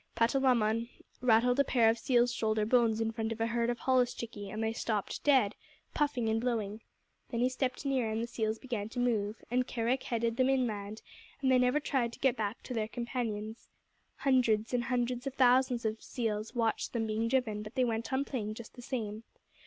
Patalamon rattled a pair of seal's shoulder bones in front of a herd of holluschickie and they stopped dead, puffing and blowing. Then he stepped near and the seals began to move, and Kerick headed them inland, and they never tried to get back to their companions. Hundreds and hundreds of thousands of seals watched them being driven, but they went on playing just the same.